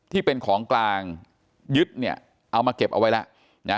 ที่เป็นของกลางยึดเนี่ยเอามาเก็บเอาไว้แล้วนะ